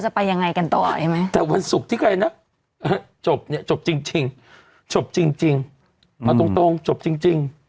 ตรงจบจริง